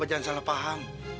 jangan salah faham